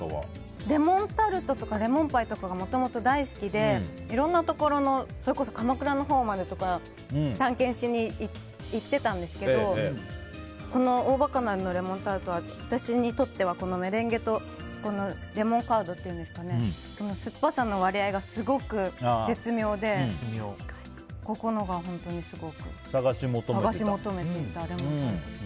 レモンタルトとかレモンパイとかがもともと大好きでいろんなところの、それこそ鎌倉のほうまで探検しに行ってたんですけどこのオーバカナルのレモンタルトは私にとってはこのメレンゲとレモンカードっていうんですかね酸っぱさの割合がすごく絶妙でここのが本当に探し求めていた。